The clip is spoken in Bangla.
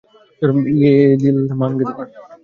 ইয়ে দিল মাঙগে মোর।